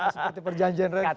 seperti perjanjian redfield